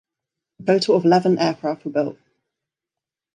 A total of eleven aircraft were built.